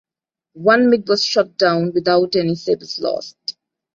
One MiG was shot down, without any Sabres lost.